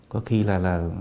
có khi là